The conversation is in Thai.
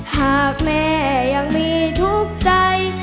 หากแม่ยังมีทุกข์ใจ